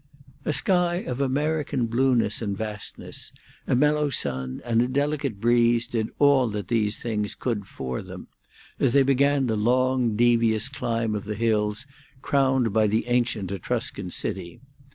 A sky of American blueness and vastness, a mellow sun, and a delicate breeze did all that these things could for them, as they began the long, devious climb of the hills crowned by the ancient Etruscan city.